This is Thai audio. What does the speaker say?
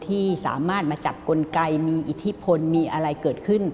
ที่สามารถมาจับกลไกมีอิทธิพลมีอะไรเกิดขึ้น